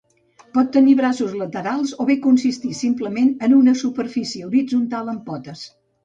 Pot tenir braços laterals o bé consistir simplement en una superfície horitzontal amb potes.